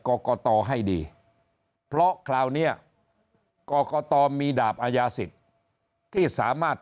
กรกตให้ดีเพราะคราวนี้กรกตมีดาบอายาศิษย์ที่สามารถ